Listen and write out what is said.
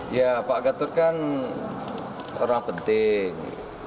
ya pak gatot kan orang penting